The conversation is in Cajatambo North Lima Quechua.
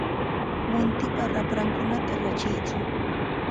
Muntipa raprankunata rachiytsu.